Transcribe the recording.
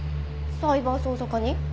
サイバー捜査課に？